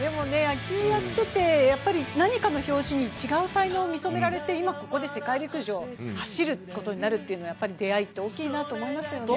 野球やってて、何かの拍子に違う才能を見初められて今ここで世界陸上走ることになるというのはやっぱり出会いって大きいなと思いますよね。